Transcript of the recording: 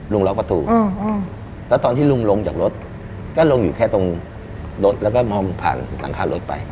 ล็อกประตูแล้วตอนที่ลุงลงจากรถก็ลงอยู่แค่ตรงรถแล้วก็มองผ่านหลังคารถไป